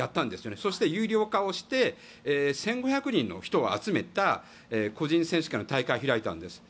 そして有料化をして１５００人の人を集めた個人選手権の大会を開いたんです。